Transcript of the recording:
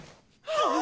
ああ。